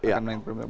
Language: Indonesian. akan main permainan